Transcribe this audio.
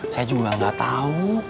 saya juga gak tahu